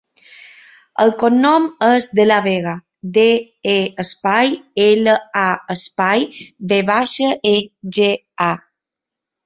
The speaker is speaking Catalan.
El cognom és De La Vega: de, e, espai, ela, a, espai, ve baixa, e, ge, a.